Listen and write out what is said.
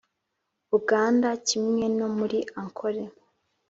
uganda, kimwe no muri ankole.